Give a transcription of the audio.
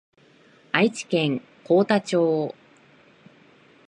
愛知県幸田町